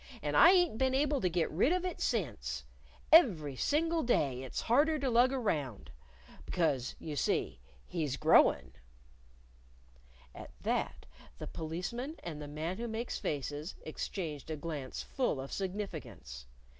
"And I ain't been able to get rid of it since. Every single day it's harder to lug around. Because, you see, he's growin'." At that, the Policeman and the Man Who Makes Faces exchanged a glance full of significance.